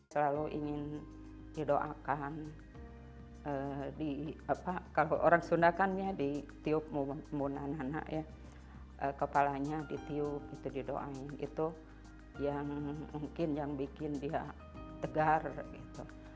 selalu ingin didoakan kalau orang sunda kan ya ditiup menggunakan anak anak ya kepalanya ditiup gitu didoain gitu yang mungkin yang bikin dia tegar gitu